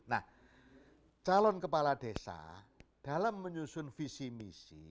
nah calon kepala desa dalam menyusun visi misi